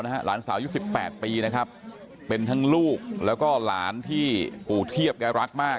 หลานสาวผู้นำเป็นทั้งลูกแล้วก็หลานที่ทีบรักมาก